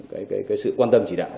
cái sự quan tâm chỉ đạo